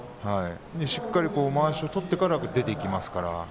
しっかりまわしを取ってから出ていきますから。